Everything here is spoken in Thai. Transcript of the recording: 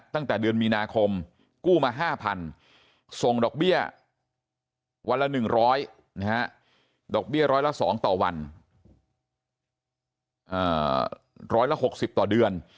ตั้งแต่เดือนมีนาคมกู้มา๕๐๐๐ส่งดอกเบี้ยวันละ๑๐๐ดอกเบี้ย๒ต่อวัน